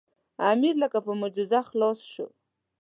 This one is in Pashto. امیر لکه په معجزه خلاص شو.